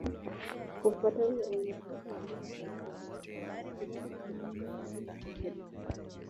Kufuatana na uainishaji wa lugha kwa ndani zaidi, Kilele iko katika kundi la Kichadiki.